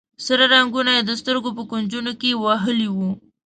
سره رنګونه یې د سترګو په کونجونو کې وهلي وي.